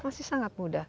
masih sangat muda